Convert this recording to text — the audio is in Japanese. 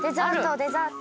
デザート